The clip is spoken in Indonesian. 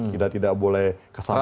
kita tidak boleh kesantikan